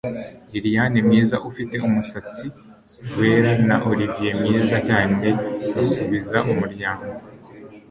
Liliane mwiza, ufite umusatsi wera na Olivier mwiza cyane basubiza umuryango